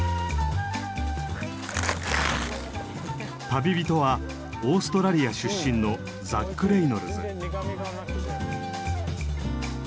旅人はオーストラリア出身のザック・レイノルズ。